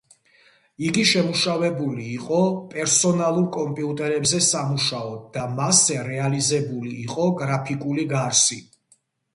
იგი შემუშავებული იყო პერსონალურ კომპიუტერებზე სამუშაოდ და მასზე რეალიზებული იყო გრაფიკული გარსი.